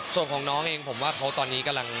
ส่วนของน้องเองผมว่าเขาตอนนี้กำลัง